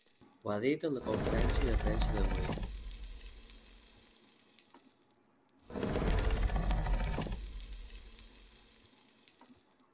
Ho ha dit en la conferència de premsa d’avui.